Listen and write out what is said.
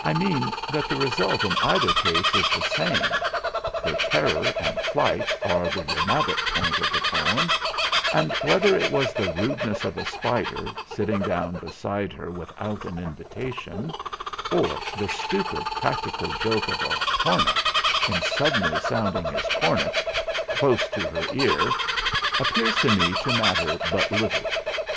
I mean that the result in either case is the same. Her terror and flight are the dramatic point of the poem, and whether it was the rudeness of a spider, sitting down beside her without an invitation, or the stupid practical joke of a hornet in suddenly sound ing his cornet close to her ear, appears to me to matter but little.